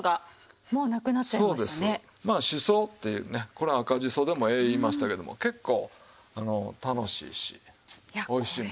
これ赤じそでもええ言いましたけども結構楽しいしおいしいもんです。